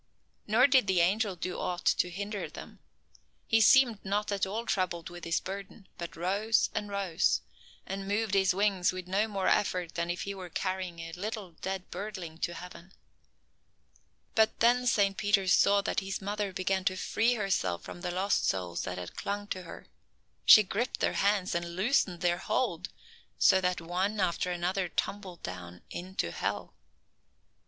Nor did the angel do aught to hinder them. He seemed not at all troubled with his burden, but rose and rose, and moved his wings with no more effort than if he were carrying a little dead birdling to heaven. But then Saint Peter saw that his mother began to free herself from the lost souls that had clung to her. She gripped their hands and loosened their hold, so that one after another tumbled down into hell.